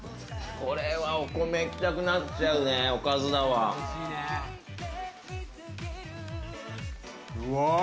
これはお米行きたくなっちゃうね、おかずだわ。